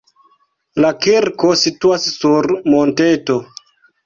La kirko situas sur monteto.